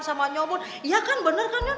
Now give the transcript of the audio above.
sama nyomoteh iya kan bener kan non